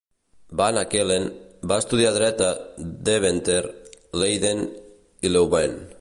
Van Achelen va estudiar dret a Deventer, Leiden i Leuven.